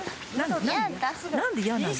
何で嫌なの？